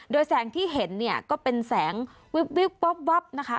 โดยแสงที่เห็นเนี่ยก็เป็นแสงวิบวับนะคะ